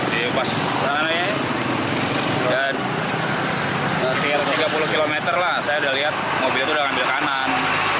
di pas kanannya dan tiga puluh km lah saya udah lihat mobil itu udah ngambil kanan